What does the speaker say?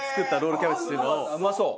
うまそう！